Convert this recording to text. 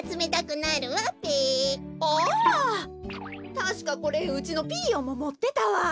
たしかこれうちのピーヨンももってたわ。